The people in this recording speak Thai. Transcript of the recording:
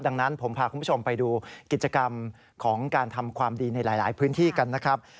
ดังนั้นผมพาคุณผู้ชมไปดูกิจกรรมของการทำความดีในหลายพื้นที่กันนะครับ